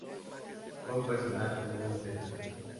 Fue un personaje muy interesante.